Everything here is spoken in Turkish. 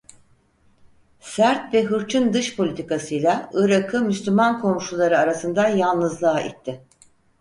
Sert ve hırçın dış politikasıyla Irak'ı Müslüman komşuları arasında yalnızlığa itti.